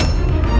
gue bisa mencari